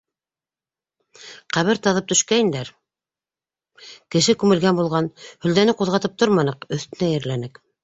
Ҡәбер ҡаҙып төшкәйнеләр - кеше күмелгән булған, һөлдәне ҡуҙғатып торманыҡ - өҫтөнә ерләнек.